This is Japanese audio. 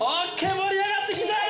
盛り上がってきた！